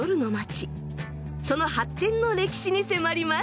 その発展の歴史に迫ります。